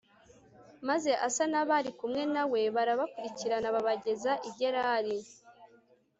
Maze Asa nabari kumwe na we barabakurikirana babageza i Gerari